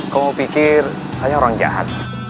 kamu pikir saya orang jahat